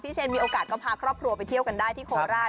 เชนมีโอกาสก็พาครอบครัวไปเที่ยวกันได้ที่โคราช